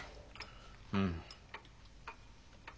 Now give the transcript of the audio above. うん。